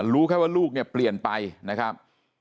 รู้แค่ว่าลูกเนี่ยเปลี่ยนไปนะครับ